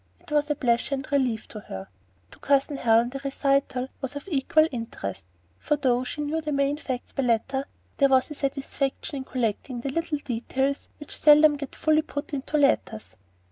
It was a pleasure and relief to her; and to Cousin Helen the recital was of equal interest, for though she knew the main facts by letter, there was a satisfaction in collecting the little details which seldom get fully put into letters.